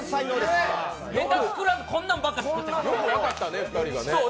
ネタ作らず、こんなのばっかり作ってました。